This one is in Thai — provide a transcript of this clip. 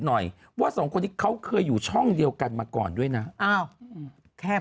หน่อยว่าสองคนนี้เขาเคยอยู่ช่องเดียวกันมาก่อนด้วยนะอ้าวแค่